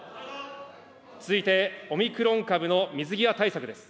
続いてオミクロン株の水際対策です。